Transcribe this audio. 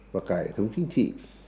và cải thống chính trị